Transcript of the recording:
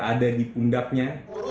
ada di pundaknya